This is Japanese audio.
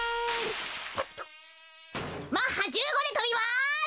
マッハ１５でとびます。